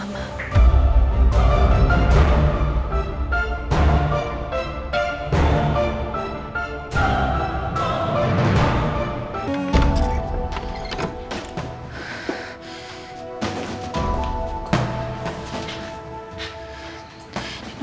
dia mau berangkat